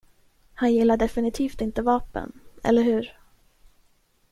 Han gillar definitivt inte vapen, eller hur?